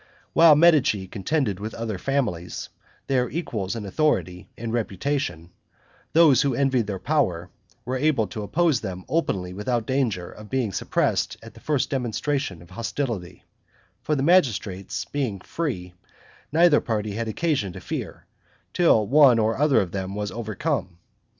While Medici contended with other families, their equals in authority and reputation, those who envied their power were able to oppose them openly without danger of being suppressed at the first demonstration of hostility; for the magistrates being free, neither party had occasion to fear, till one or other of them was overcome.